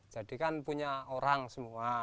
jadi kan punya orang semua